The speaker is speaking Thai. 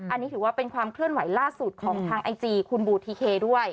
อันนี้ถือว่าเป็นความเคลื่อนไหวล่าสุดของทางไอจีคุณบูทีเคด้วย